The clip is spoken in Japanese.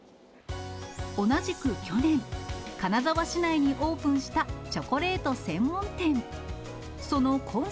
同じく去年、金沢市内にオープンしたチョコレート専門店。